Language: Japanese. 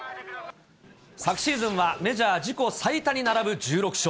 昨シーズンはメジャー自己最多に並ぶ１６勝。